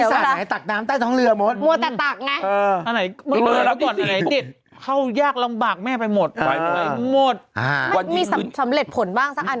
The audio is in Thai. ใช่ไหมละเสื้อดาราทั้งวันนะชอบ